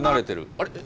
あれ？